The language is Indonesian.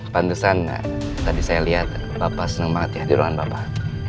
pantesan tadi saya liat bapak seneng banget di ruangan bapak